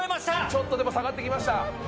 ちょっとでも下がってきました。